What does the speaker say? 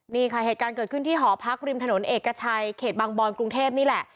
นี่ค่ะเหตุการณ์เกิดขึ้นที่หอพักริมถนนเอกชัยเขตบางบอนกรุงเทพนี่แหละ